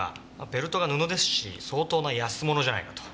ベルトが布ですし相当な安物じゃないかと。